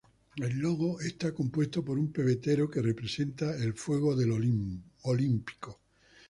El logo está compuesto por un pebetero que representa el fuego olímpico.